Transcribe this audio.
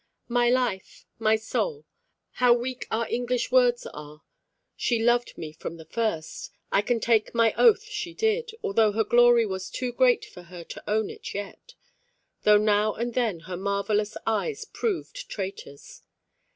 My life, my soul how weak our English words are she loved me from the first, I can take my oath she did, although her glory was too great for her to own it yet, though now and then her marvellous eyes proved traitors.